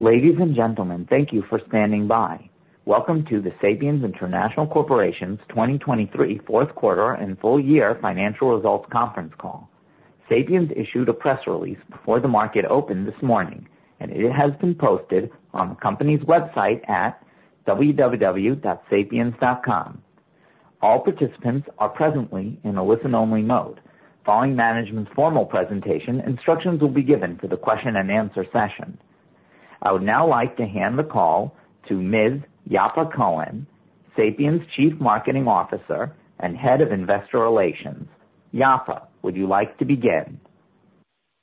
Ladies and gentlemen, thank you for standing by. Welcome to the Sapiens International Corporation's 2023 fourth quarter and full year financial results conference call. Sapiens issued a press release before the market opened this morning, and it has been posted on the company's website at www.sapiens.com. All participants are presently in a listen-only mode. Following management's formal presentation, instructions will be given for the question and answer session. I would now like to hand the call to Ms. Yaffa Cohen, Sapiens' Chief Marketing Officer and Head of Investor Relations. Yaffa, would you like to begin?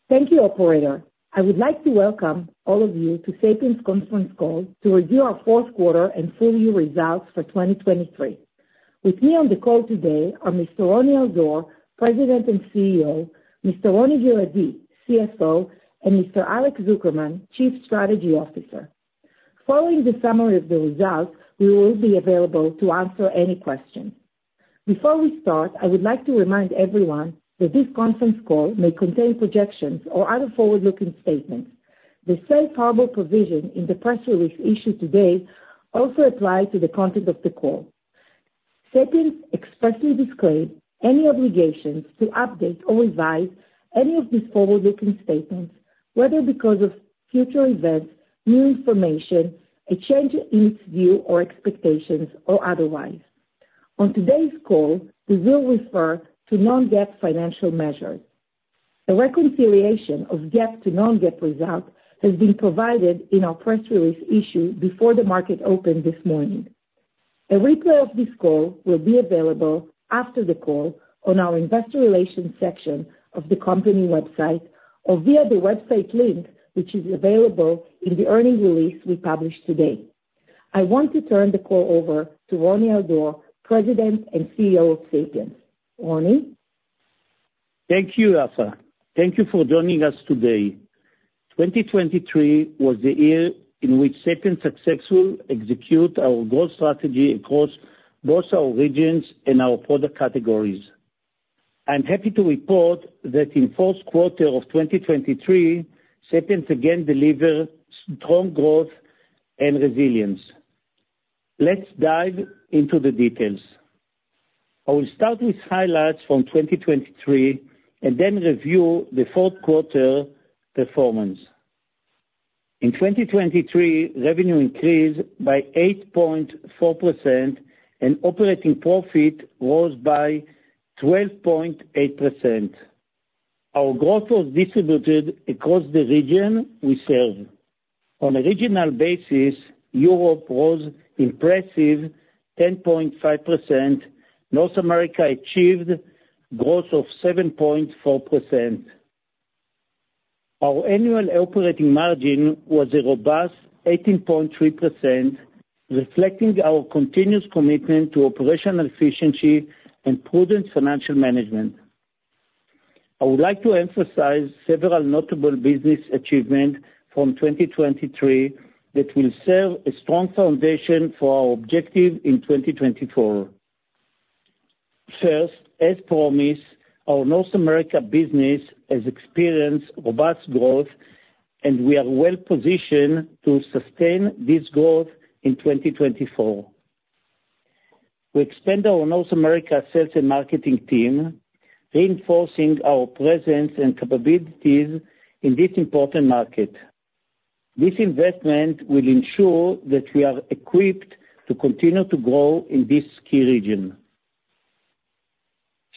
Thank you, operator. I would like to welcome all of you to Sapiens conference call to review our fourth quarter and full year results for 2023. With me on the call today are Mr. Roni Al-Dor, President and CEO, Mr. Roni Giladi, CFO, and Mr. Alex Zukerman, Chief Strategy Officer. Following the summary of the results, we will be available to answer any questions. Before we start, I would like to remind everyone that this conference call may contain projections or other forward-looking statements. The safe harbor provision in the press release issued today also apply to the content of the call. Sapiens expressly disclaims any obligations to update or revise any of these forward-looking statements, whether because of future events, new information, a change in its view or expectations, or otherwise. On today's call, we will refer to non-GAAP financial measures. A reconciliation of GAAP to non-GAAP results has been provided in our press release issued before the market opened this morning. A replay of this call will be available after the call on our investor relations section of the company website or via the website link, which is available in the earnings release we published today. I want to turn the call over to Roni Al-Dor, President and CEO of Sapiens. Roni? Thank you, Yaffa. Thank you for joining us today. 2023 was the year in which Sapiens successfully execute our growth strategy across both our regions and our product categories. I'm happy to report that in fourth quarter of 2023, Sapiens again delivered strong growth and resilience. Let's dive into the details. I will start with highlights from 2023 and then review the fourth quarter performance. In 2023, revenue increased by 8.4%, and operating profit rose by 12.8%. Our growth was distributed across the region we serve. On a regional basis, Europe was impressive, 10.5%. North America achieved growth of 7.4%. Our annual operating margin was a robust 18.3%, reflecting our continuous commitment to operational efficiency and prudent financial management. I would like to emphasize several notable business achievement from 2023 that will serve a strong foundation for our objective in 2024. First, as promised, our North America business has experienced robust growth, and we are well positioned to sustain this growth in 2024. We expanded our North America sales and marketing team, reinforcing our presence and capabilities in this important market. This investment will ensure that we are equipped to continue to grow in this key region.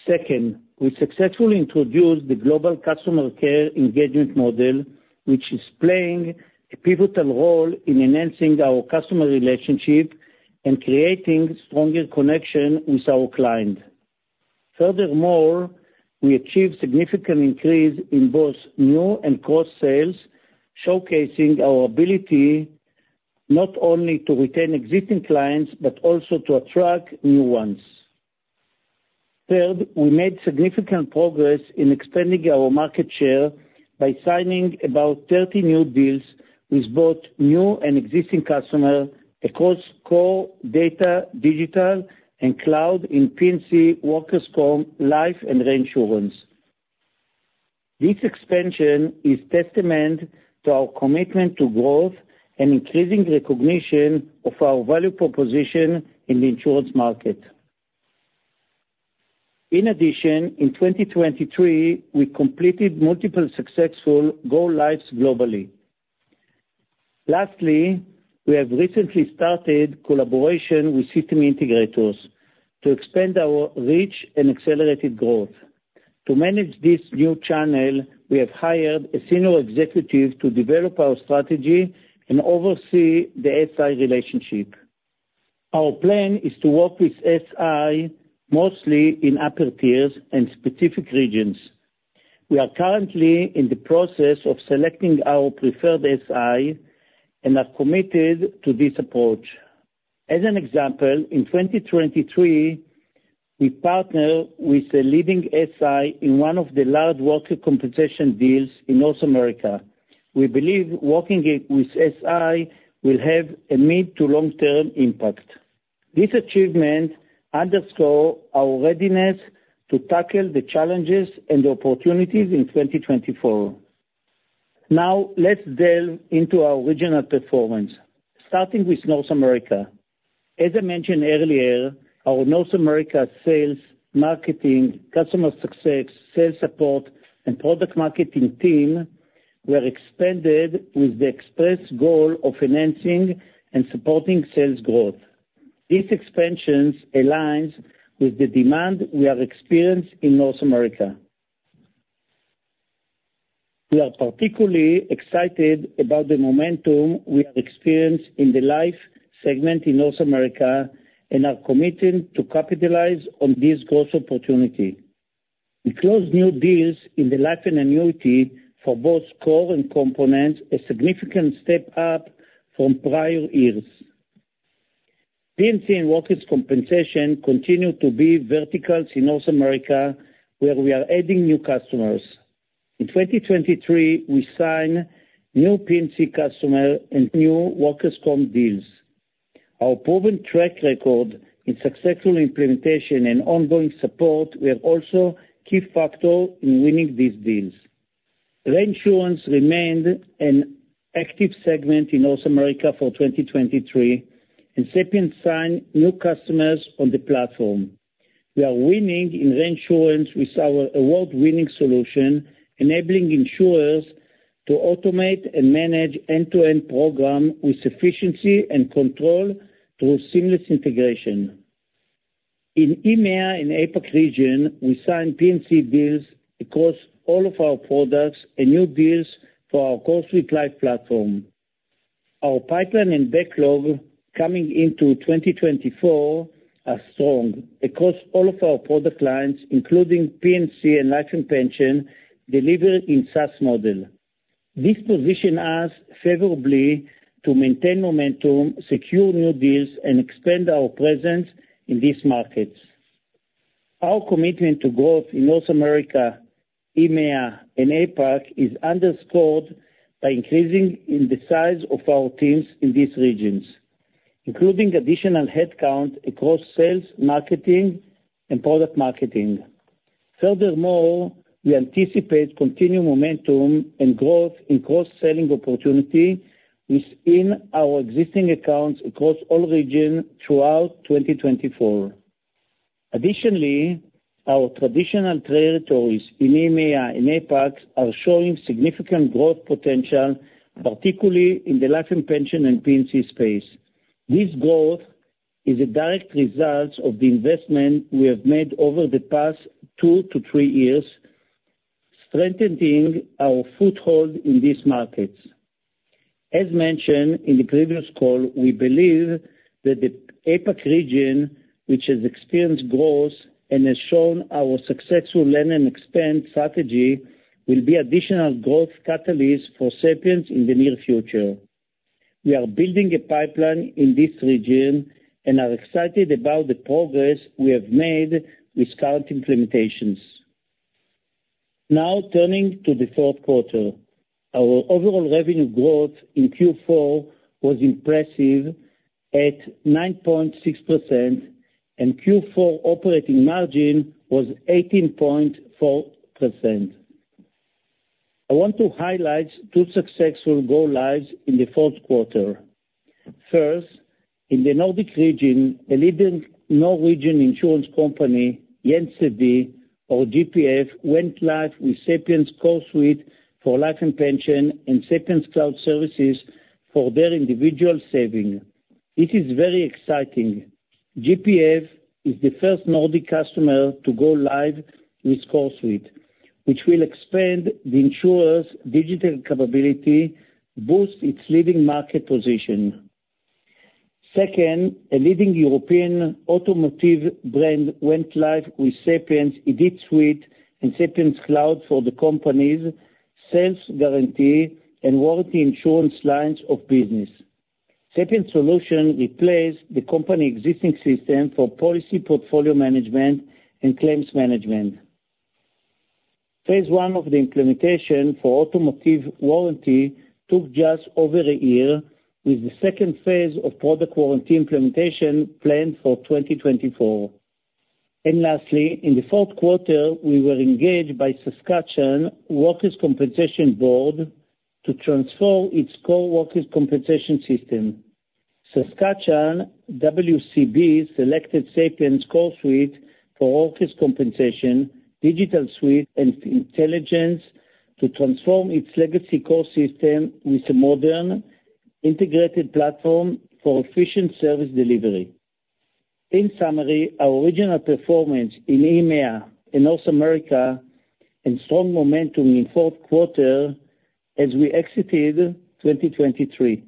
Second, we successfully introduced the global customer care engagement model, which is playing a pivotal role in enhancing our customer relationship and creating stronger connection with our client. Furthermore, we achieved significant increase in both new and cross sales, showcasing our ability not only to retain existing clients but also to attract new ones. Third, we made significant progress in expanding our market share by signing about 30 new deals with both new and existing customers across core data, digital, and cloud in P&C workers' comp, life, and reinsurance. This expansion is testament to our commitment to growth and increasing recognition of our value proposition in the insurance market. In addition, in 2023, we completed multiple successful go-lives globally. Lastly, we have recently started collaboration with system integrators to expand our reach and accelerated growth. To manage this new channel, we have hired a senior executive to develop our strategy and oversee the SI relationship. Our plan is to work with SI mostly in upper tiers and specific regions. We are currently in the process of selecting our preferred SI and are committed to this approach. As an example, in 2023, we partnered with a leading SI in one of the large workers' compensation deals in North America. We believe working with SI will have a mid- to long-term impact. This achievement underscore our readiness to tackle the challenges and opportunities in 2024. Now, let's delve into our regional performance, starting with North America. As I mentioned earlier, our North America sales, marketing, customer success, sales support, and product marketing team were expanded with the express goal of enhancing and supporting sales growth. These expansions aligns with the demand we have experienced in North America. We are particularly excited about the momentum we have experienced in the life segment in North America, and are committed to capitalize on this growth opportunity. We closed new deals in the life and annuity for both core and components, a significant step up from prior years. P&C and workers' compensation continue to be verticals in North America, where we are adding new customers. In 2023, we signed new P&C customer and new workers' comp deals. Our proven track record in successful implementation and ongoing support were also key factor in winning these deals. Reinsurance remained an active segment in North America for 2023, and Sapiens signed new customers on the platform. We are winning in reinsurance with our award-winning solution, enabling insurers to automate and manage end-to-end program with efficiency and control through seamless integration. In EMEA and APAC region, we signed P&C deals across all of our products and new deals for our CoreSuite Life platform. Our pipeline and backlog coming into 2024 are strong across all of our product lines, including P&C and life and pension, delivered in SaaS model. This positions us favorably to maintain momentum, secure new deals, and expand our presence in these markets. Our commitment to growth in North America, EMEA, and APAC is underscored by increasing in the size of our teams in these regions, including additional headcount across sales, marketing, and product marketing. Furthermore, we anticipate continued momentum and growth in cross-selling opportunity within our existing accounts across all regions throughout 2024. Additionally, our traditional territories in EMEA and APAC are showing significant growth potential, particularly in the life and pension and P&C space. This growth is a direct result of the investment we have made over the past two to three years, strengthening our foothold in these markets. As mentioned in the previous call, we believe that the APAC region, which has experienced growth and has shown our successful land and expand strategy, will be additional growth catalyst for Sapiens in the near future. We are building a pipeline in this region and are excited about the progress we have made with current implementations. Now, turning to the fourth quarter. Our overall revenue growth in Q4 was impressive at 9.6%, and Q4 operating margin was 18.4%. I want to highlight two successful go lives in the fourth quarter. First, in the Nordic region, a leading Norwegian insurance company, Gjensidige, or GPF, went live with Sapiens' CoreSuite for Life and Pension and Sapiens' Cloud Services for their individual saving. It is very exciting. GPF is the first Nordic customer to go live with CoreSuite, which will expand the insurer's digital capability, boost its leading market position. Second, a leading European automotive brand went live with Sapiens' IDITSuite and Sapiens' Cloud for the company's sales guarantee and warranty insurance lines of business. Sapiens' solution replaced the company's existing system for policy portfolio management and claims management. Phase one of the implementation for automotive warranty took just over a year, with the second phase of product warranty implementation planned for 2024. Lastly, in the fourth quarter, we were engaged by Saskatchewan Workers' Compensation Board to transform its core workers' compensation system. Saskatchewan WCB selected Sapiens' CoreSuite for Workers' Compensation, DigitalSuite, and Intelligence to transform its legacy core system with a modern, integrated platform for efficient service delivery. In summary, our regional performance in EMEA and North America, and strong momentum in fourth quarter as we exited 2023,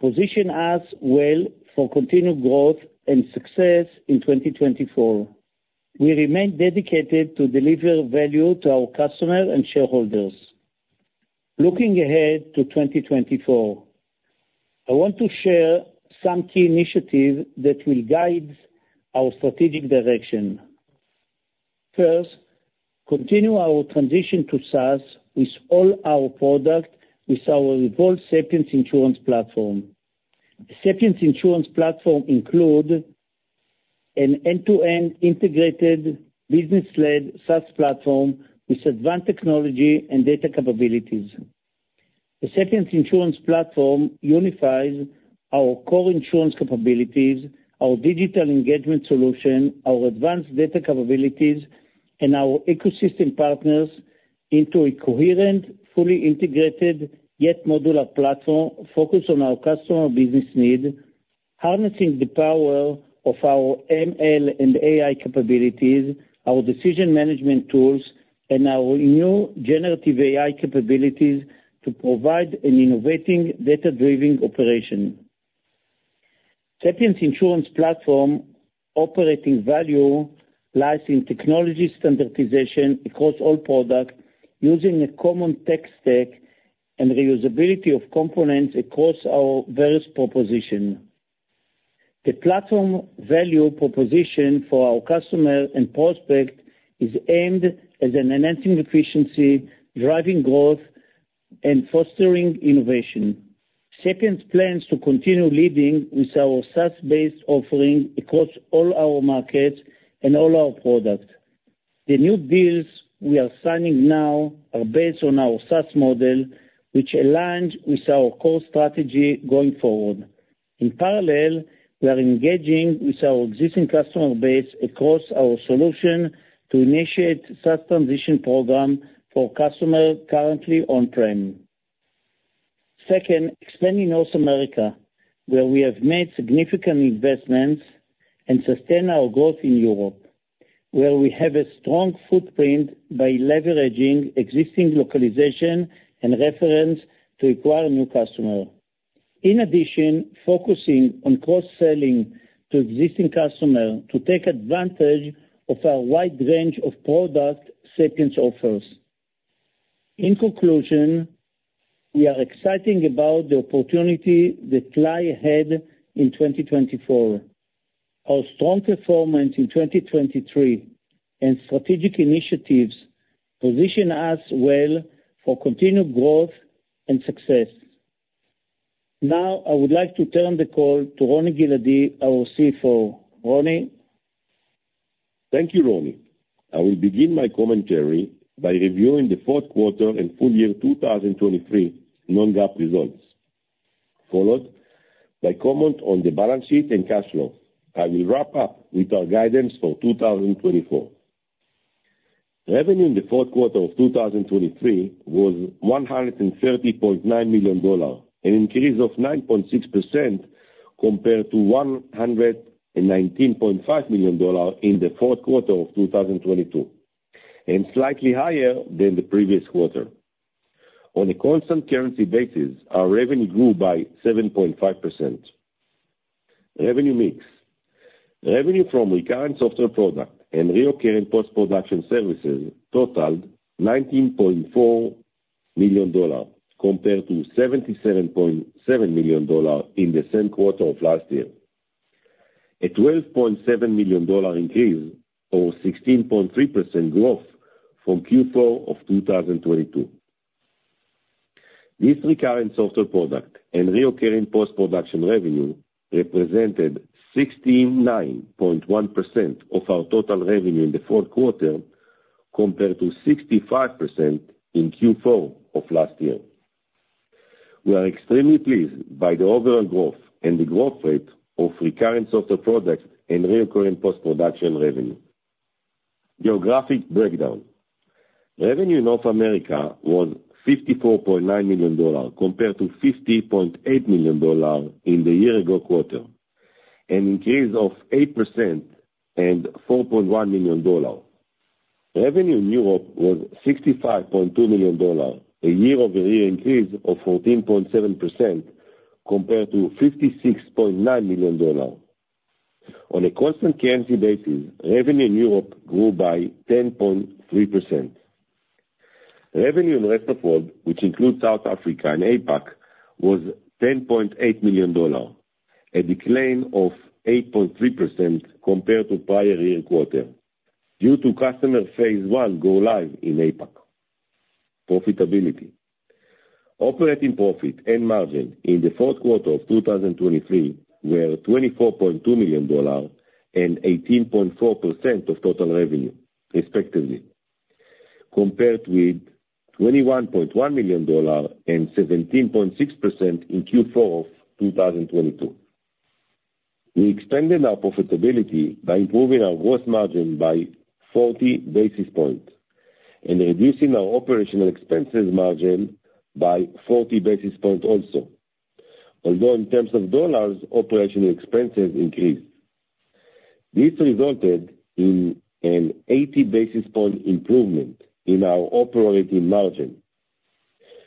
position us well for continued growth and success in 2024. We remain dedicated to deliver value to our customers and shareholders. Looking ahead to 2024, I want to share some key initiatives that will guide our strategic direction. First, continue our transition to SaaS with all our product, with our evolved Sapiens Insurance Platform. The Sapiens Insurance Platform include an end-to-end integrated business-led SaaS platform with advanced technology and data capabilities. The Sapiens Insurance Platform unifies our core insurance capabilities, our digital engagement solution, our advanced data capabilities, and our ecosystem partners into a coherent, fully integrated, yet modular platform focused on our customer business need, harnessing the power of our ML and AI capabilities, our decision management tools, and our new generative AI capabilities to provide an innovating, data-driven operation. Sapiens Insurance Platform operating value lies in technology standardization across all products, using a common tech stack and reusability of components across our various proposition. The platform value proposition for our customer and prospect is aimed as enhancing efficiency, driving growth, and fostering innovation. Sapiens plans to continue leading with our SaaS-based offering across all our markets and all our products. The new deals we are signing now are based on our SaaS model, which aligns with our core strategy going forward. In parallel, we are engaging with our existing customer base across our solution to initiate SaaS transition program for customers currently on-prem. Second, expand in North America, where we have made significant investments, and sustain our growth in Europe, where we have a strong footprint by leveraging existing localization and reference to acquire new customer. In addition, focusing on cross-selling to existing customer to take advantage of our wide range of product Sapiens offers. In conclusion, we are excited about the opportunity that lies ahead in 2024. Our strong performance in 2023 and strategic initiatives position us well for continued growth and success. Now, I would like to turn the call to Roni Giladi, our CFO. Roni? Thank you, Roni. I will begin my commentary by reviewing the fourth quarter and full year 2023 non-GAAP results, followed by comment on the balance sheet and cash flow. I will wrap up with our guidance for 2024. Revenue in the fourth quarter of 2023 was $130.9 million, an increase of 9.6% compared to $119.5 million in the fourth quarter of 2022, and slightly higher than the previous quarter. On a constant currency basis, our revenue grew by 7.5%. Revenue mix. Revenue from recurring software product and recurring post-production services totaled $19.4 million, compared to $77.7 million in the same quarter of last year. A $12.7 million increase, or 16.3% growth from Q4 of 2022. This recurring software product and recurring post-production revenue represented 69.1% of our total revenue in the fourth quarter, compared to 65% in Q4 of last year. We are extremely pleased by the overall growth and the growth rate of recurring software products and recurring post-production revenue. Geographic breakdown. Revenue in North America was $54.9 million, compared to $50.8 million in the year-ago quarter, an increase of 8% and $4.1 million. Revenue in Europe was $65.2 million, a year-over-year increase of 14.7% compared to $56.9 million. On a constant currency basis, revenue in Europe grew by 10.3%. Revenue in rest of world, which includes South Africa and APAC, was $10.8 million, a decline of 8.3% compared to prior year quarter, due to customer phase one go live in APAC. Profitability. Operating profit and margin in the fourth quarter of 2023 were $24.2 million and 18.4% of total revenue, respectively, compared with $21.1 million and 17.6% in Q4 of 2022. We expanded our profitability by improving our gross margin by 40 basis points and reducing our operational expenses margin by 40 basis points also. Although in terms of dollars, operational expenses increased. This resulted in an 80 basis point improvement in our operating margin.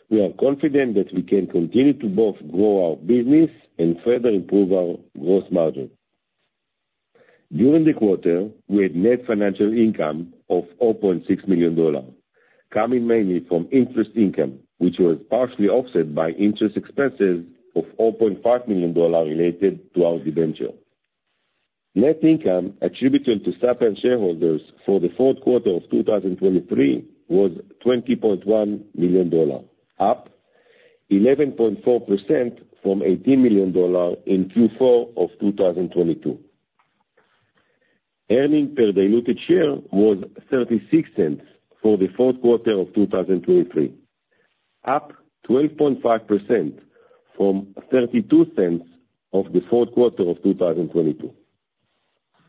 We are confident that we can continue to both grow our business and further improve our gross margin. During the quarter, we had net financial income of $4.6 million, coming mainly from interest income, which was partially offset by interest expenses of $4.5 million related to our debenture. Net income attributable to Sapiens shareholders for the fourth quarter of 2023 was $20.1 million, up 11.4% from $18 million in Q4 of 2022. Earnings per diluted share was $0.36 for the fourth quarter of 2023, up 12.5% from $0.32 of the fourth quarter of 2022.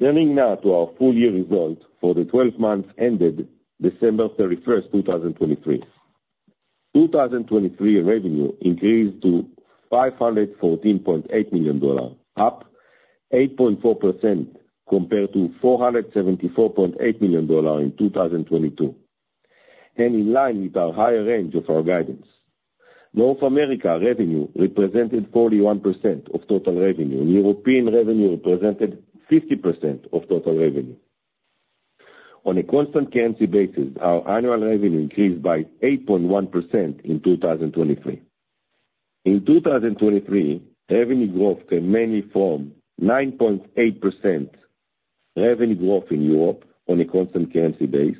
Turning now to our full-year results for the twelve months ended December 31st, 2023. 2023 revenue increased to $514.8 million, up 8.4% compared to $474.8 million in 2022, and in line with our higher range of our guidance. North America revenue represented 41% of total revenue, and European revenue represented 50% of total revenue. On a constant currency basis, our annual revenue increased by 8.1% in 2023. In 2023, revenue growth came mainly from 9.8% revenue growth in Europe on a constant currency base,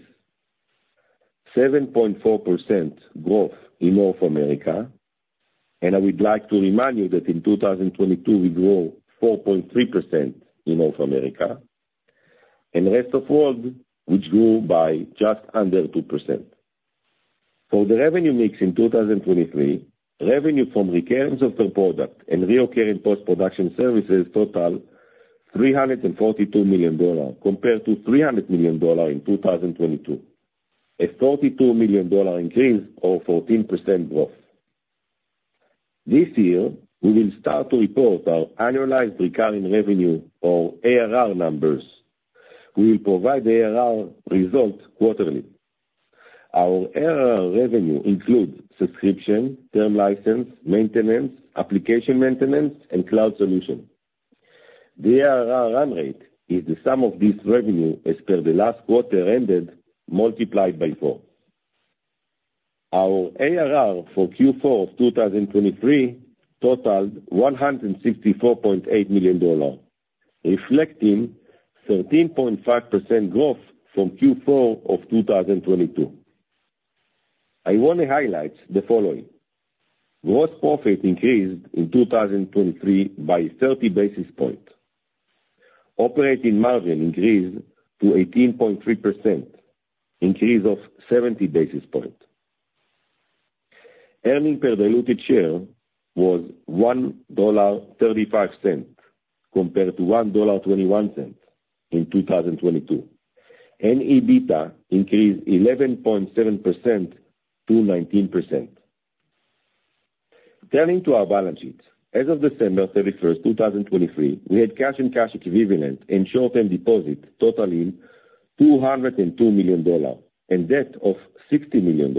7.4% growth in North America, and I would like to remind you that in 2022, we grew 4.3% in North America, and rest of world, which grew by just under 2%. For the revenue mix in 2023, revenue from recurring of the product and recurring post-production services totaled $342 million, compared to $300 million in 2022, a $42 million increase, or 14% growth. This year, we will start to report our annualized recurring revenue or ARR numbers. We will provide the ARR results quarterly. Our ARR revenue includes subscription, term license, maintenance, application maintenance, and cloud solution. The ARR run rate is the sum of this revenue as per the last quarter ended, multiplied by four. Our ARR for Q4 of 2023 totaled $164.8 million, reflecting 13.5% growth from Q4 of 2022. I want to highlight the following: gross profit increased in 2023 by thirty basis points. Operating margin increased to 18.3%, increase of 70 basis points. Earnings per diluted share was $1.35, compared to $1.21 in 2022, and EBITDA increased 11.7%-19%. Turning to our balance sheet. As of December 31st, 2023, we had cash and cash equivalents and short-term deposits totaling $202 million, and debt of $60 million,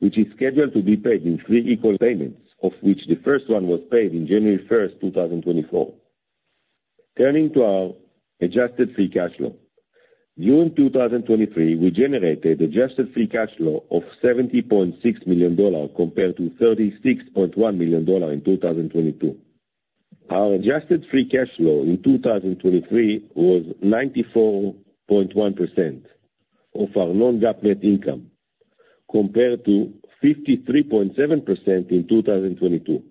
which is scheduled to be paid in three equal payments, of which the first one was paid in January 1st, 2024. Turning to our adjusted free cash flow. During 2023, we generated adjusted free cash flow of $70.6 million, compared to $36.1 million in 2022. Our adjusted free cash flow in 2023 was 94.1% of our non-GAAP net income, compared to 53.7% in 2022.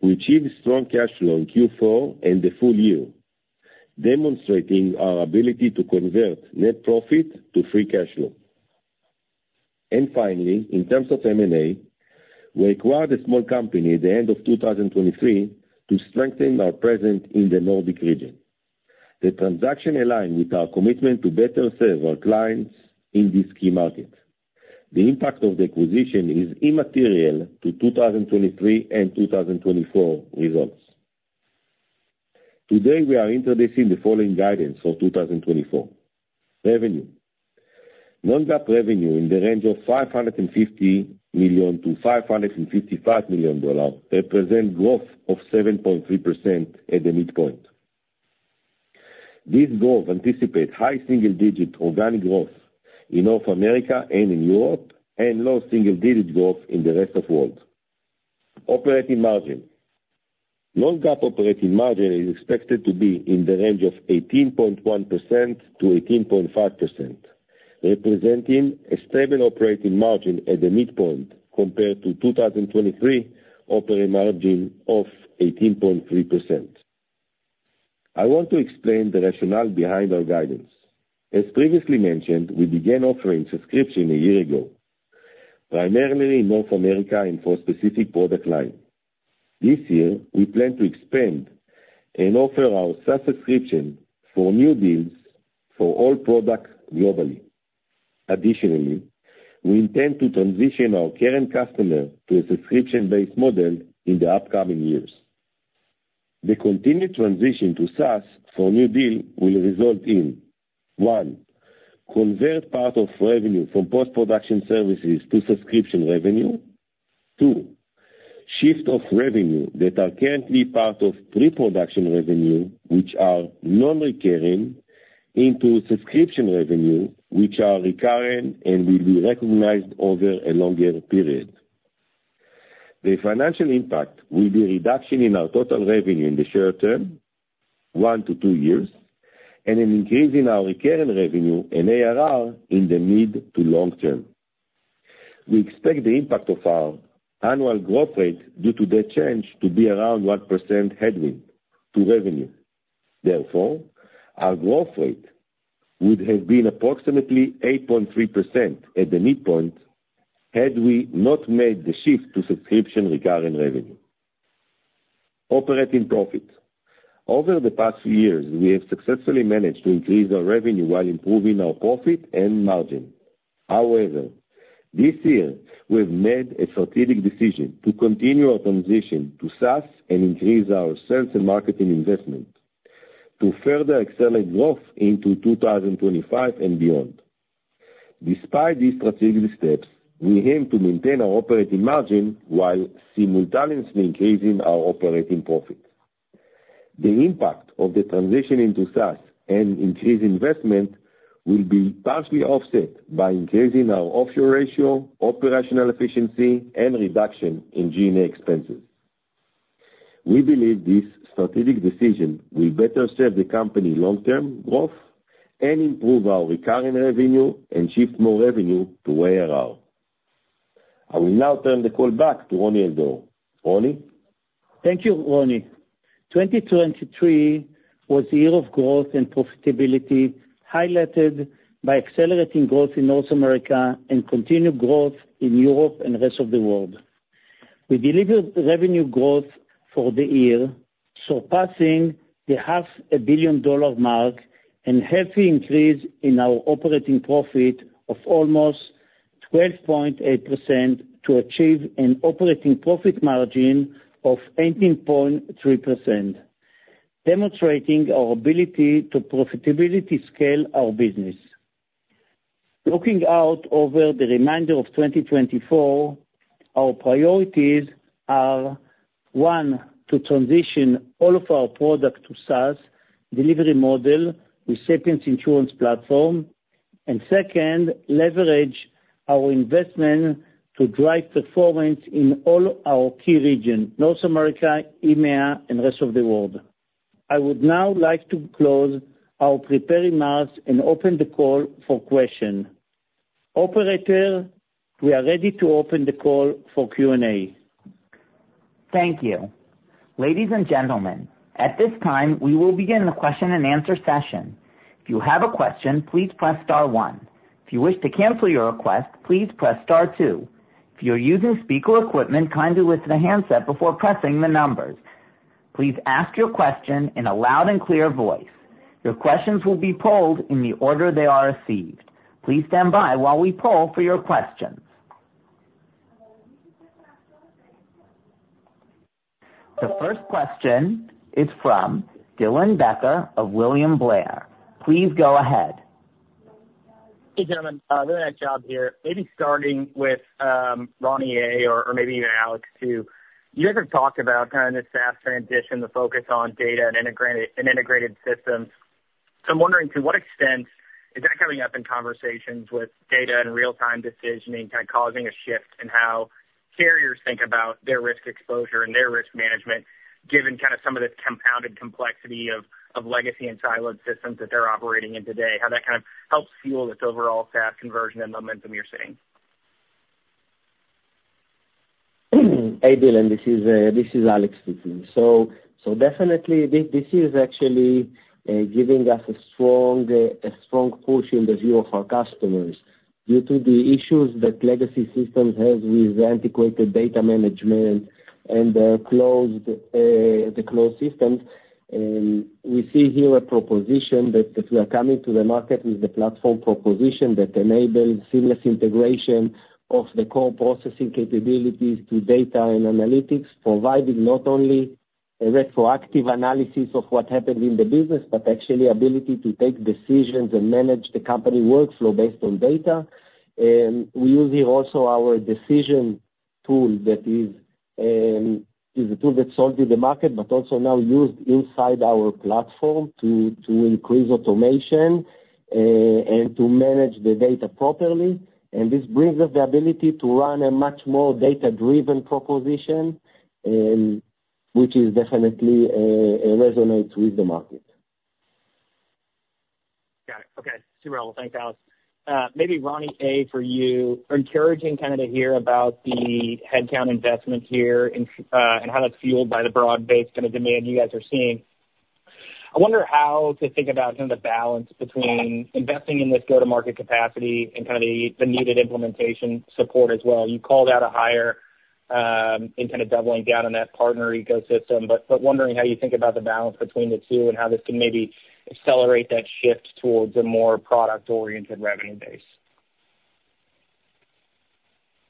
We achieved strong cash flow in Q4 and the full year, demonstrating our ability to convert net profit to free cash flow. Finally, in terms of M&A, we acquired a small company at the end of 2023 to strengthen our presence in the Nordic region. The transaction aligned with our commitment to better serve our clients in this key market. The impact of the acquisition is immaterial to 2023 and 2024 results. Today, we are introducing the following guidance for 2024. Revenue. Non-GAAP revenue in the range of $550 million-$555 million represent growth of 7.3% at the midpoint. This growth anticipate high single digit organic growth in North America and in Europe, and low single digit growth in the rest of world. Operating margin. Non-GAAP operating margin is expected to be in the range of 18.1%-18.5%, representing a stable operating margin at the midpoint compared to 2023 operating margin of 18.3%. I want to explain the rationale behind our guidance. As previously mentioned, we began offering subscription a year ago, primarily in North America and for a specific product line. This year, we plan to expand and offer our SaaS subscription for new deals for all products globally. Additionally, we intend to transition our current customer to a subscription-based model in the upcoming years. The continued transition to SaaS for new deals will result in, one, convert part of revenue from post-production services to subscription revenue. Two, shift of revenue that are currently part of pre-production revenue, which are non-recurring, into subscription revenue, which are recurring and will be recognized over a longer period. The financial impact will be a reduction in our total revenue in the short term, one to two years, and an increase in our recurring revenue and ARR in the mid to long term. We expect the impact of our annual growth rate due to the change to be around 1% headwind to revenue. Therefore, our growth rate would have been approximately 8.3% at the midpoint, had we not made the shift to subscription recurring revenue. Operating profit. Over the past years, we have successfully managed to increase our revenue while improving our profit and margin. However, this year we have made a strategic decision to continue our transition to SaaS and increase our sales and marketing investment to further accelerate growth into 2025 and beyond. Despite these strategic steps, we aim to maintain our operating margin while simultaneously increasing our operating profit. The impact of the transition into SaaS and increased investment will be partially offset by increasing our offshore ratio, operational efficiency, and reduction in G&A expenses. We believe this strategic decision will better serve the company long-term growth and improve our recurring revenue and shift more revenue to ARR. I will now turn the call back to Roni AL-Dor. Roni? Thank you, Roni. 2023 was the year of growth and profitability, highlighted by accelerating growth in North America and continued growth in Europe and the rest of the world. We delivered revenue growth for the year, surpassing the $500 million mark, and healthy increase in our operating profit of almost 12.8% to achieve an operating profit margin of 18.3%, demonstrating our ability to profitability scale our business. Looking out over the remainder of 2024, our priorities are, one, to transition all of our products to SaaS delivery model with Sapiens Insurance Platform, and second, leverage our investment to drive performance in all our key regions, North America, EMEA, and rest of the world. I would now like to close our prepared remarks and open the call for question. Operator, we are ready to open the call for Q&A. Thank you. Ladies and gentlemen, at this time, we will begin the question-and-answer session. If you have a question, please press star one. If you wish to cancel your request, please press star two. If you're using speaker equipment, kindly listen to the handset before pressing the numbers. Please ask your question in a loud and clear voice. Your questions will be polled in the order they are received. Please stand by while we poll for your questions. The first question is from Dylan Becker of William Blair. Please go ahead. Hey, gentlemen, William Blair here. Maybe starting with Roni Al-Dor, or maybe even Alex Zukerman, too. You guys have talked about kind of the SaaS transition, the focus on data and integrated systems. So I'm wondering, to what extent is that coming up in conversations with data and real-time decisioning kind of causing a shift in how carriers think about their risk exposure and their risk management, given kind of some of the compounded complexity of legacy and siloed systems that they're operating in today, how that kind of helps fuel this overall SaaS conversion and momentum you're seeing? Hey, Dylan, this is Alex Zukerman. So, definitely this is actually giving us a strong push in the view of our customers. Due to the issues that legacy systems have with antiquated data management and closed systems, we see here a proposition that we are coming to the market with a platform proposition that enables seamless integration of the core processing capabilities to data and analytics, providing not only a retroactive analysis of what happened in the business, but actually ability to take decisions and manage the company workflow based on data. We use here also our decision tool, that is a tool that's sold in the market, but also now used inside our platform to increase automation and to manage the data properly. And this brings us the ability to run a much more data-driven proposition, which is definitely resonates with the market. Got it. Okay, super helpful. Thanks, Alex. Maybe Roni A, for you, encouraging kind of to hear about the headcount investment here and, and how that's fueled by the broad-based kind of demand you guys are seeing. I wonder how to think about kind of the balance between investing in this go-to-market capacity and kind of the, the needed implementation support as well. You called out a higher, and kind of doubling down on that partner ecosystem, but, but wondering how you think about the balance between the two and how this can maybe accelerate that shift towards a more product-oriented revenue base.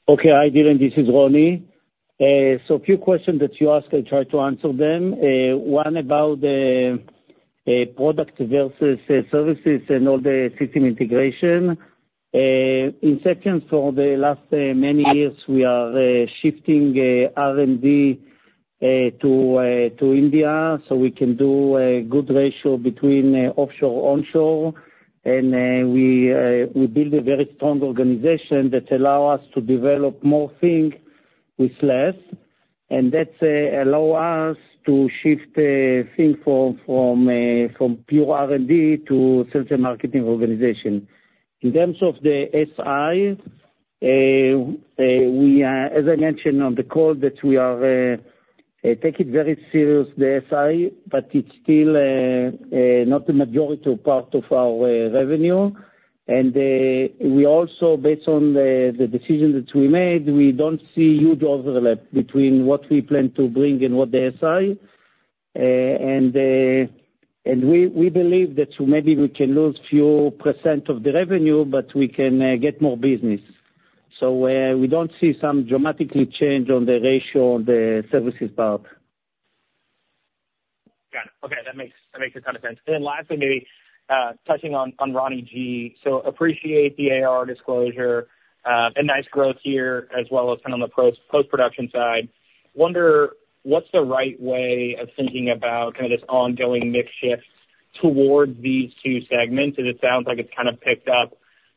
Okay. Hi, Dylan, this is Roni. So a few questions that you asked, I'll try to answer them. One about the a product versus services and all the system integration. In second, for the last many years, we are shifting R&D to India, so we can do a good ratio between offshore, onshore. We build a very strong organization that allow us to develop more thing with less, and that allow us to shift thing from pure R&D to sales and marketing organization. In terms of the SI, as I mentioned on the call, that we are take it very serious, the SI, but it's still not the majority part of our revenue. We also, based on the decision that we made, we don't see huge overlap between what we plan to bring and what the SI. We believe that maybe we can lose few percent of the revenue, but we can get more business. So, we don't see some dramatically change on the ratio on the services part. Got it. Okay, that makes a ton of sense. And then lastly, maybe touching on Roni G. So appreciate the ARR disclosure, and nice growth here, as well as kind of on the post, post-production side. Wonder, what's the right way of thinking about kind of this ongoing mix shift towards these two segments? And it sounds like it's kind of picked up,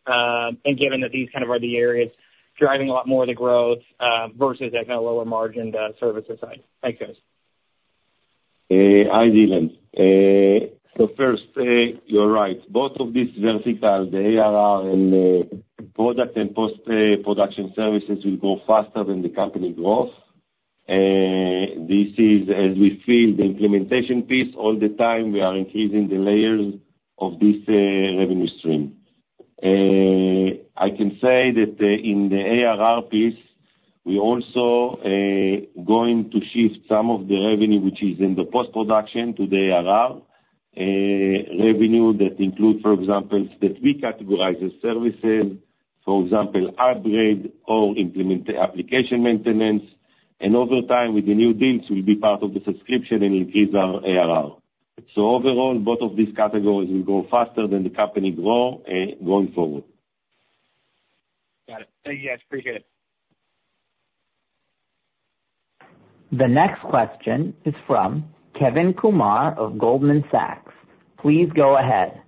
and given that these kind of are the areas driving a lot more of the growth, versus that kind of lower margin services side. Thanks, guys. Hi, Dylan. So first, you're right. Both of these verticals, the ARR and product and post production services, will grow faster than the company growth. This is, as we see the implementation piece all the time, we are increasing the layers of this revenue stream. I can say that in the ARR piece, we also going to shift some of the revenue, which is in the post-production to the ARR revenue that include, for example, that we categorize as services. For example, upgrade or implement the application maintenance, and over time, with the new deals, will be part of the subscription and increase our ARR. So overall, both of these categories will grow faster than the company grow going forward. Got it. Thank you, guys. Appreciate it. The next question is from Kevin Kumar of Goldman Sachs. Please go ahead.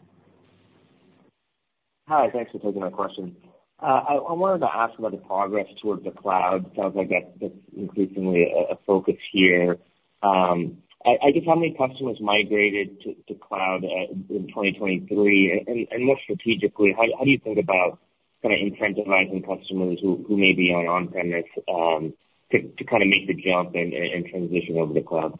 Hi, thanks for taking my question. I wanted to ask about the progress towards the Cloud. Sounds like that's increasingly a focus here. I guess, how many customers migrated to Cloud in 2023? And more strategically, how do you think about kind of incentivizing customers who may be on on-premises to kind of make the jump and transition over to the Cloud?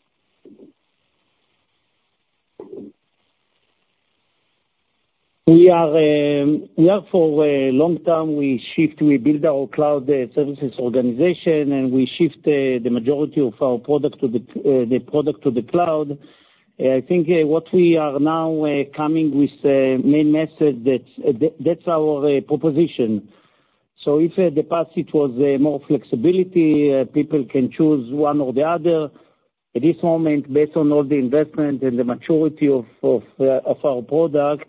We are, we are for a long term, we shift, we build our cloud services organization, and we shift the majority of our product to the, the product to the cloud. I think what we are now coming with a main message that that's our proposition. So if the past it was more flexibility, people can choose one or the other, at this moment, based on all the investment and the maturity of, of, of our product,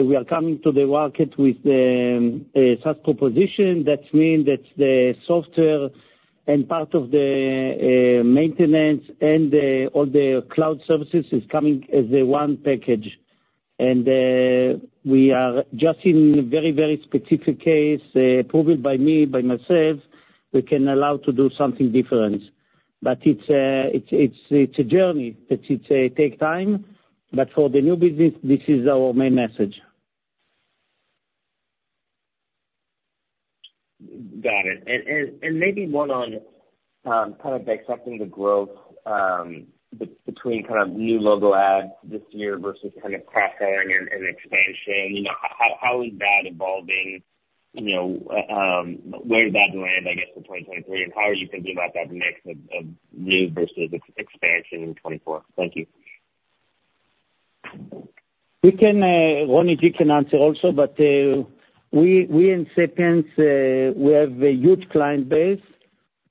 we are coming to the market with a such proposition. That mean that the software and part of the maintenance and all the cloud services is coming as a one package. And we are just in very, very specific case approved by me, by myself, we can allow to do something different. But it's a journey that it takes time, but for the new business, this is our main message. Got it. Maybe one on kind of accepting the growth between kind of new logo adds this year versus kind of cross-selling and expansion. You know, how is that evolving? You know, where does that land, I guess, for 2023, and how are you thinking about that mix of new versus expansion in 2024? Thank you. We can Roni, you can answer also, but, we, we in Sapiens, we have a huge client base,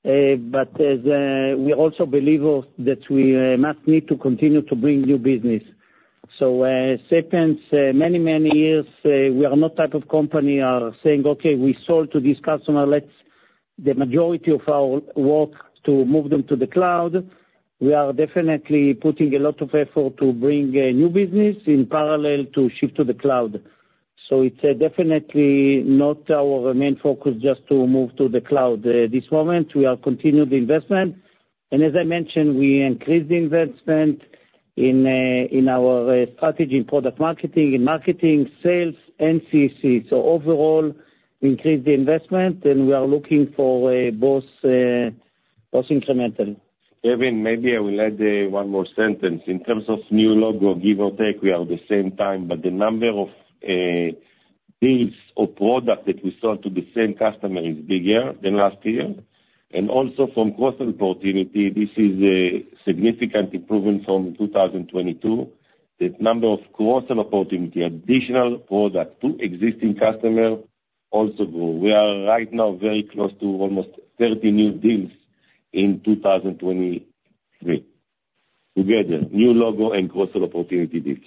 but as, we also believe of, that we, must need to continue to bring new business. So, Sapiens, many, many years, we are not type of company, saying, "Okay, we sold to this customer, let's the majority of our work to move them to the cloud." We are definitely putting a lot of effort to bring, new business in parallel to shift to the cloud. So it's, definitely not our main focus just to move to the cloud. This moment, we are continued investment, and as I mentioned, we increased the investment in, in our, strategy, product marketing and marketing, sales, and CC. So overall, we increased the investment, and we are looking for both incremental. Kevin, maybe I will add one more sentence. In terms of new logo, give or take, we are the same time, but the number of deals or product that we sold to the same customer is bigger than last year. And also, from cross-sell opportunity, this is a significant improvement from 2022. The number of cross-sell opportunity, additional product to existing customer, also grow. We are right now very close to almost 30 new deals in 2023. Together, new logo and cross-sell opportunity deals.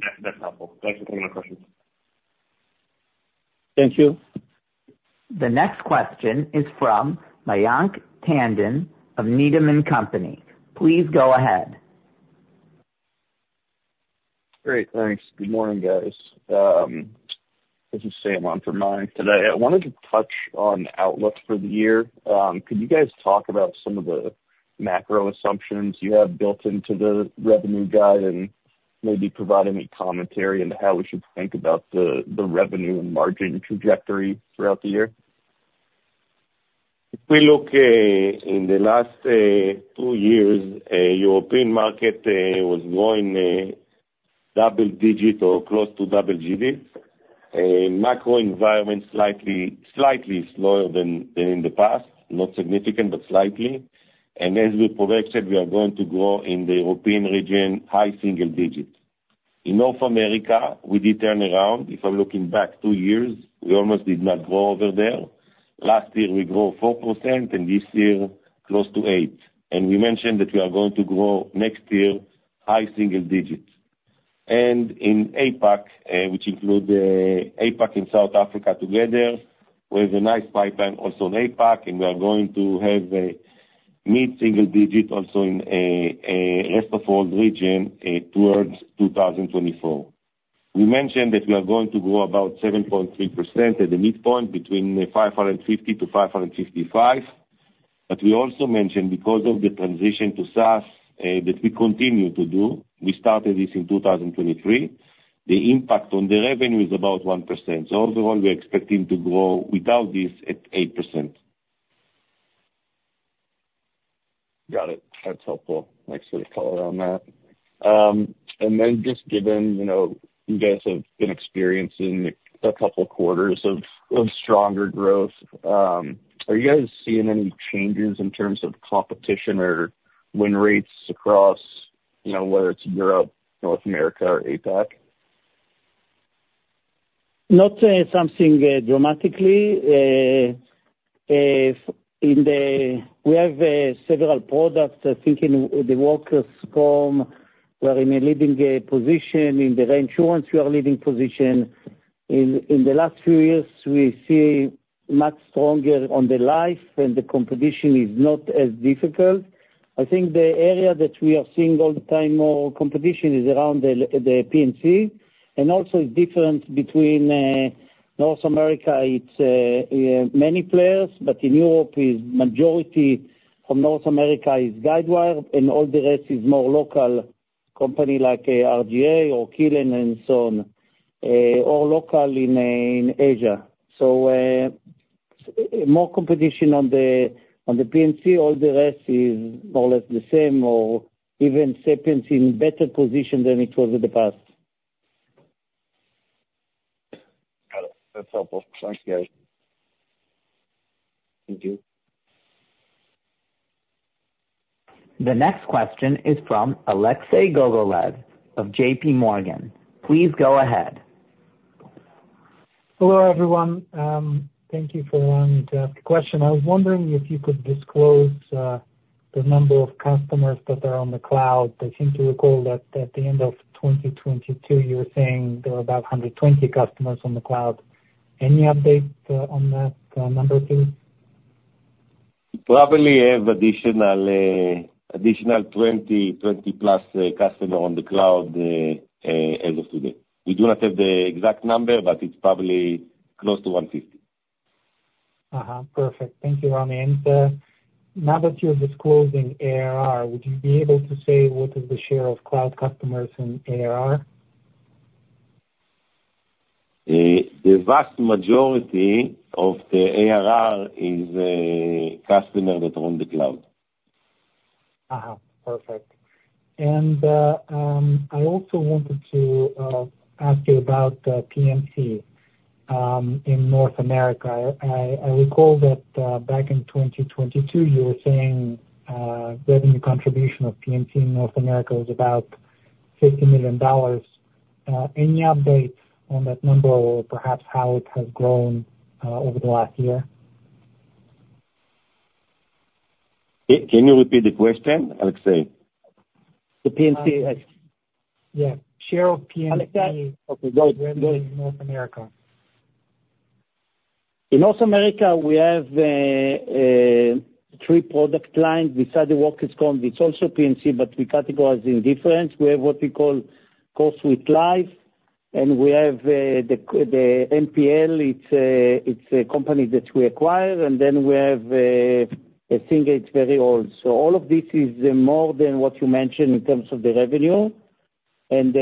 That, that's helpful. Thanks for taking my question. Thank you. The next question is from Mayank Tandon of Needham & Company. Please go ahead. Great, thanks. Good morning, guys. This is Sam on for Mayank today. I wanted to touch on outlook for the year. Could you guys talk about some of the macro assumptions you have built into the revenue guide, and maybe provide any commentary into how we should think about the revenue and margin trajectory throughout the year? If we look in the last two years, European market was growing double digit or close to double digits. Macro environment slightly slower than in the past. Not significant, but slightly. And as we projected, we are going to grow in the European region, high single digits. In North America, we did turn around. If I'm looking back two years, we almost did not grow over there. Last year, we grow 4%, and this year, close to 8%. And we mentioned that we are going to grow next year, high single digits. And in APAC, which include APAC and South Africa together, we have a nice pipeline also in APAC, and we are going to have a mid-single digit also in rest of world region towards 2024. We mentioned that we are going to grow about 7.3% at the midpoint, between $550 million-$555 million. But we also mentioned, because of the transition to SaaS, that we continue to do, we started this in 2023, the impact on the revenue is about 1%. So overall, we're expecting to grow without this, at 8%. Got it. That's helpful. Thanks for the color on that. And then just given, you know, you guys have been experiencing a couple quarters of stronger growth, are you guys seeing any changes in terms of competition or win rates across, you know, whether it's Europe, North America, or APAC? Not something dramatically. In the we have several products, I think, in the workers' comp, we're in a leading position. In the reinsurance, we are leading position. In the last few years, we see much stronger on the life, and the competition is not as difficult. I think the area that we are seeing all the time, more competition, is around the P&C. And also it's different between North America, it's many players, but in Europe, is majority from North America is Guidewire, and all the rest is more local company, like RGI or Keylane and so on, or local in Asia. So, more competition on the P&C, all the rest is more or less the same or even Sapiens is in better position than it was in the past. Got it. That's helpful. Thanks, guys. Thank you. The next question is from Alexei Gogolev of JPMorgan. Please go ahead. Hello, everyone. Thank you for allowing me to ask a question. I was wondering if you could disclose the number of customers that are on the cloud. I seem to recall that at the end of 2022, you were saying there were about 120 customers on the cloud. Any update on that number, please? We probably have additional, additional 20, 20+, customers on the cloud, as of today. We do not have the exact number, but it's probably close to 150 customers. Perfect. Thank you, Roni. And now that you're disclosing ARR, would you be able to say what is the share of cloud customers in ARR? The vast majority of the ARR is customer that are on the cloud. Uh-huh, perfect. And, I also wanted to ask you about P&C in North America. I recall that back in 2022, you were saying revenue contribution of P&C in North America was about $50 million. Any updates on that number or perhaps how it has grown over the last year? Can you repeat the question, Alexei? The P&C? Yeah, share of P&C- Alexei, okay, go, go. North America. In North America, we have three product lines besides the workers' comp, which is also P&C, but we categorize it different. We have what we call CoreSuite Life, and we have the MPL; it's a company that we acquired, and then we have, I think it's very old. So all of this is more than what you mentioned in terms of the revenue. And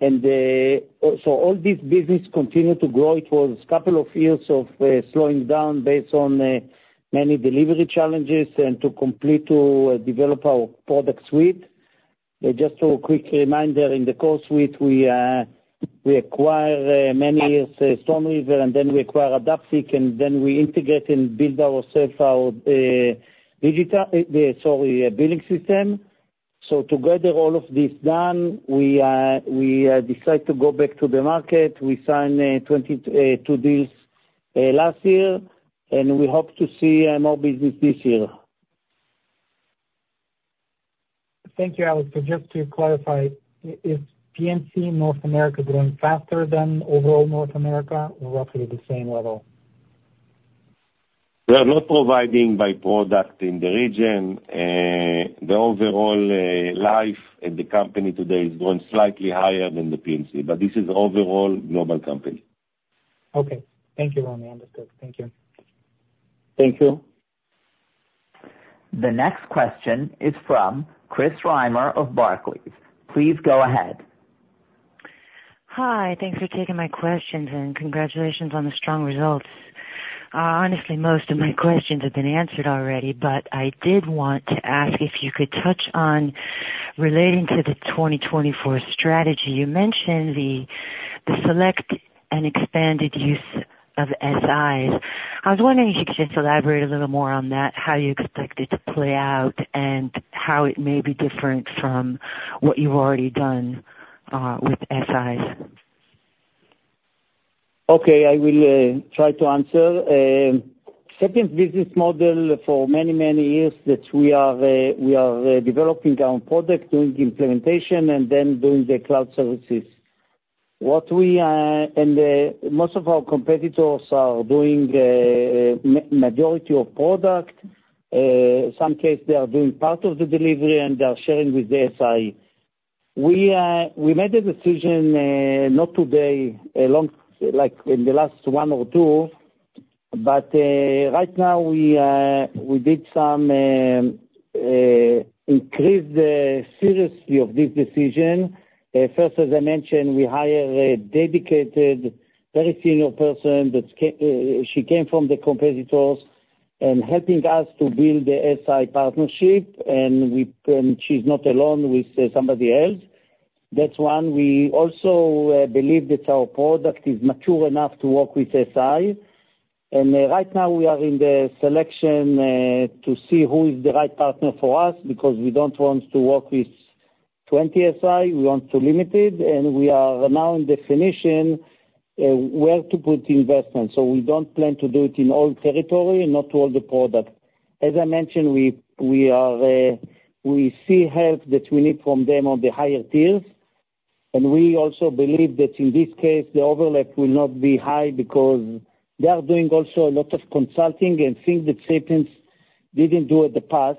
so all this business continued to grow. It was couple of years of slowing down based on many delivery challenges and to develop our product suite. Just a quick reminder, in the CoreSuite, we acquire many years StoneRiver, and then we acquire Adaptik, and then we integrate and build ourself our digital billing system. So together, all of this done, we decide to go back to the market. We signed 22 deals last year, and we hope to see more business this year. Thank you, Roni. Just to clarify, is P&C North America growing faster than overall North America or roughly the same level? We are not providing by product in the region, the overall life in the company today is growing slightly higher than the P&C, but this is overall global company. Okay. Thank you, Roni. Understood. Thank you. Thank you. The next question is from Chris Reimer of Barclays. Please go ahead. Hi, thanks for taking my questions, and congratulations on the strong results. Honestly, most of my questions have been answered already, but I did want to ask if you could touch on relating to the 2024 strategy. You mentioned the select and expanded use of SIs. I was wondering if you could just elaborate a little more on that, how you expect it to play out, and how it may be different from what you've already done with SIs? Okay, I will try to answer. Sapiens business model for many, many years, that we are developing our own product, doing implementation, and then doing the cloud services. What we are, and most of our competitors are doing, majority of product, some case, they are doing part of the delivery, and they are sharing with the SI. We made a decision, not today, a long, like in the last one or two, but right now, we did some increase the seriousness of this decision. First, as I mentioned, we hire a dedicated, very senior person that she came from the competitors, and helping us to build the SI partnership, and we, she's not alone with somebody else. That's one. We also believe that our product is mature enough to work with SI. And right now we are in the selection to see who is the right partner for us, because we don't want to work with 20 SI. We want to limit it, and we are now in definition where to put investment. So we don't plan to do it in all territory and not all the product. As I mentioned, we see help that we need from them on the higher tiers, and we also believe that in this case, the overlap will not be high because they are doing also a lot of consulting and things that Sapiens didn't do in the past.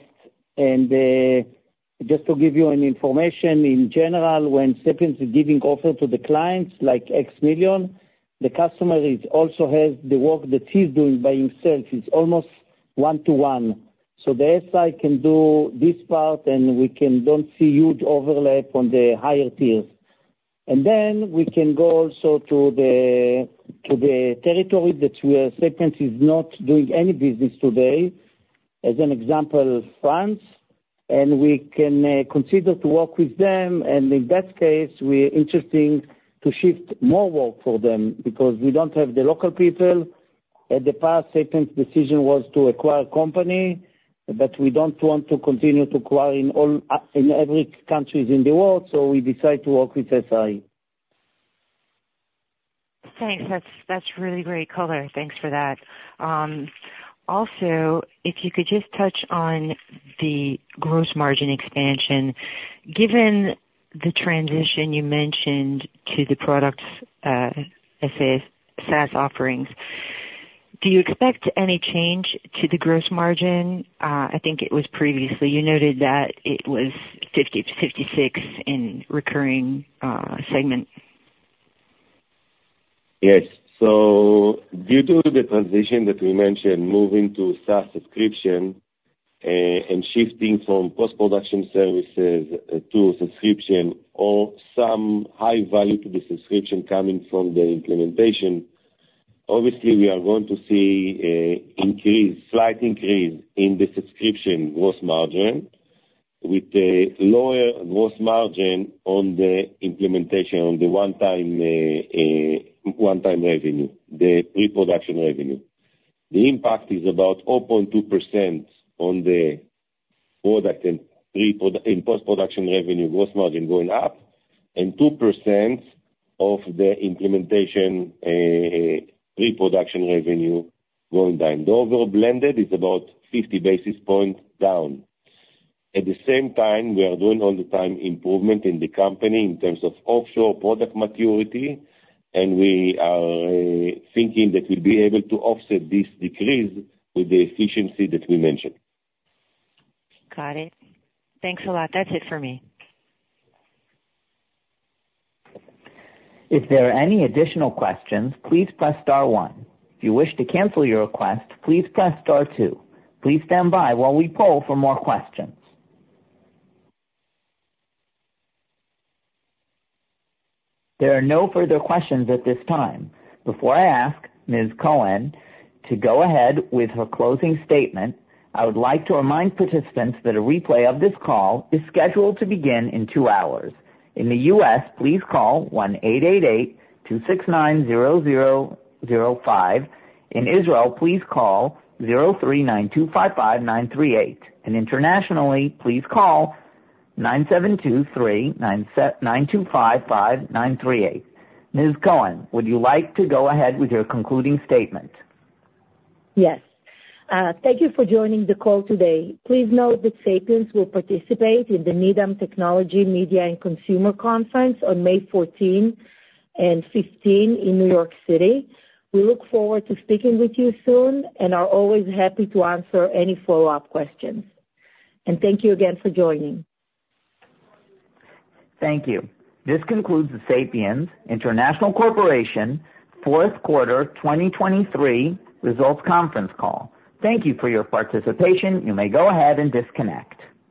Just to give you an information, in general, when Sapiens is giving offer to the clients, like X million, the customer is also has the work that he's doing by himself, it's almost one to one. So the SI can do this part, and we don't see huge overlap on the higher tiers. And then we can go also to the territory that we are Sapiens is not doing any business today, as an example, France, and we can consider to work with them, and in that case, we're interesting to shift more work for them because we don't have the local people. In the past, Sapiens's decision was to acquire company, but we don't want to continue to acquire in all, in every countries in the world, so we decide to work with SI. Thanks. That's, that's really great color. Thanks for that. Also, if you could just touch on the gross margin expansion. Given the transition you mentioned to the products, SaaS offerings, do you expect any change to the gross margin? I think it was previously, you noted that it was 50%-56% in recurring segment. Yes. So due to the transition that we mentioned, moving to SaaS subscription, and shifting from post-production services, to subscription or some high value to the subscription coming from the implementation, obviously we are going to see a increase, slight increase in the subscription gross margin, with a lower gross margin on the implementation, on the one-time revenue, the pre-production revenue. The impact is about 0.2%. In post-production revenue, gross margin going up, and 2% of the implementation pre-production revenue going down. The overall blended is about 50 basis points down. At the same time, we are doing all the time improvement in the company in terms of offshore product maturity, and we are thinking that we'll be able to offset this decrease with the efficiency that we mentioned. Got it. Thanks a lot. That's it for me. If there are any additional questions, please press star one. If you wish to cancel your request, please press star two. Please stand by while we poll for more questions. There are no further questions at this time. Before I ask Ms. Cohen to go ahead with her closing statement, I would like to remind participants that a replay of this call is scheduled to begin in two hours. In the U.S., please call 1-888-269-0005. In Israel, please call 03-925-5938, and internationally, please call 972-3-925-5938. Ms. Cohen, would you like to go ahead with your concluding statement? Yes. Thank you for joining the call today. Please note that Sapiens will participate in the Needham Technology Media and Consumer Conference on May 14 and 15 in New York City. We look forward to speaking with you soon and are always happy to answer any follow-up questions. Thank you again for joining. Thank you. This concludes the Sapiens International Corporation fourth quarter 2023 results conference call. Thank you for your participation. You may go ahead and disconnect.